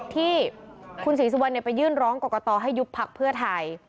ที่คุณศรีสุวรรณไปยื่นร้องกรกตให้ยุบพักเพื่อไทย